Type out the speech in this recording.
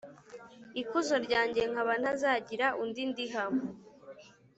ikuzo ryanjye nkaba ntazagira undi ndiha,